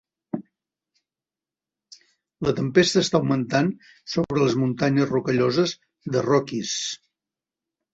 La tempesta està augmentant sobre les Muntanyes Rocalloses "the Rockies".